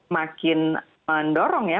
makin mendorong ya